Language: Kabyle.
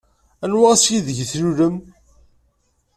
Anwa ass ideg tlulem?